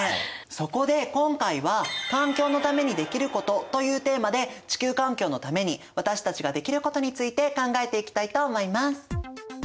そこで今回は「環境のためにできること」というテーマで地球環境のために私たちができることについて考えていきたいと思います。